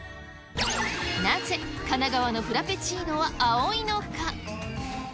なぜ、神奈川のフラペチーノは青いのか？